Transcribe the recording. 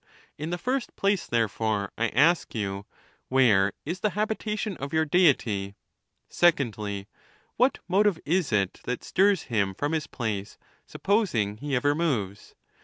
In the first place, therefore, I ask you, Where is the hab itation of your Deity ? Secondly, What motive is it that stirs him from his place, supposing he ever moves